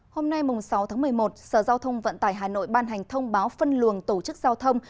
hôm nay sáu tháng một mươi một sở giao thông vận tải hà nội ban hành thông báo phân luồng tổ chức giao thông